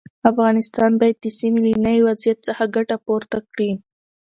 افغانستان باید د سیمې له نوي وضعیت څخه ګټه پورته کړي.